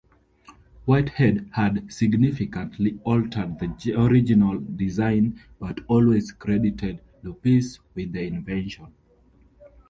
Whitehead had significantly altered the original design, but always credited Lupis with the invention.